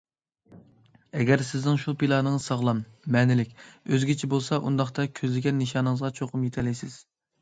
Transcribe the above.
ئەگەر سىزنىڭ شۇ پىلانىڭىز ساغلام، مەنىلىك، ئۆزگىچە بولسا ئۇنداقتا كۆزلىگەن نىشانىڭىزغا چوقۇم يېتەلەيسىز.